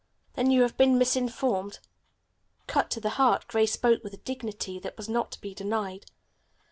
"Then you have been misinformed." Cut to the heart, Grace spoke with a dignity that was not to be denied.